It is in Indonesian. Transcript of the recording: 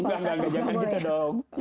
enggak enggak jangan gitu dok